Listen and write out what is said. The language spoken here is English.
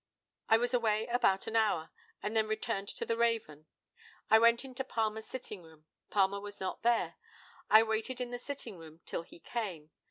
I was away about an hour, and then returned to the Raven. I went into Palmer's sitting room. Palmer was not there. I waited in the sitting room till he came.